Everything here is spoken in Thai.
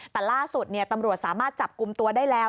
แต่ล่าสุดตำรวจสามารถจับกลุ่มตัวได้แล้ว